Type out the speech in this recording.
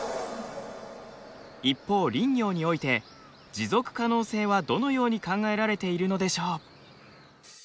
一方林業において持続可能性はどのように考えられているのでしょう。